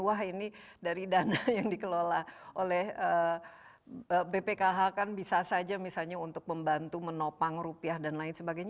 wah ini dari dana yang dikelola oleh bpkh kan bisa saja misalnya untuk membantu menopang rupiah dan lain sebagainya